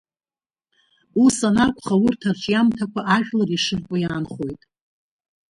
Ус анакәха, урҭ арҿиамҭақәа ажәлар ишыртәу иаанхоит.